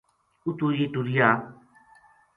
اُتو یہ ٹُریا